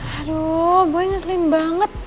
aduh boy nyeselin banget